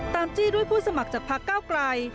จี้ด้วยผู้สมัครจากพักเก้าไกล